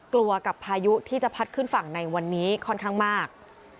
กลัวกับพายุที่จะพัดขึ้นฝั่งในวันนี้ค่อนข้างมาก